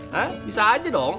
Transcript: hah bisa aja dong